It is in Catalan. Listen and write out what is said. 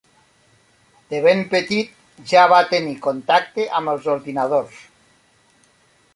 De ben petit ja va tenir contacte amb els ordinadors.